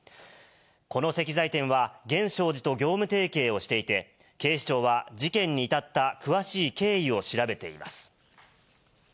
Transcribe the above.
この石材店は、源証寺と業務提携をしていて、警視庁は事件に至った詳しい経緯を調べています。